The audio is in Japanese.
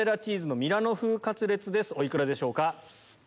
お幾らでしょうか？